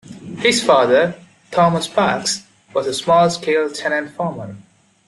His father, Thomas Parkes, was a small-scale tenant farmer.